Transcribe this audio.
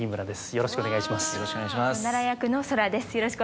よろしくお願いします。